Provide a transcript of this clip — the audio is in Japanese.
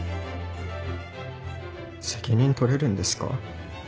責任取れるんですか？